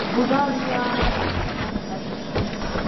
بوډا لويه ښېښه کش کړه.